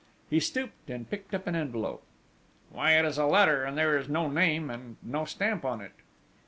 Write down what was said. He stooped and picked up an envelope: "Why, it is a letter and there is no name and no stamp on it!"